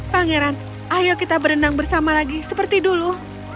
pangeran ayo kita berenang bersama lagi seperti dulu